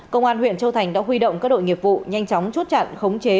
công an huyện châu thành đã huy động các đội nghiệp vụ nhanh chóng chốt chặn khống chế